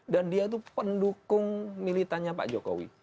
dan dia itu pendukung militannya pak jokowi